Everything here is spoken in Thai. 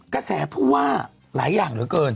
กระแสผู้ว่าหลายอย่างเหลือเกิน